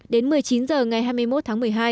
đến một mươi chín h ngày hai mươi một tháng một mươi hai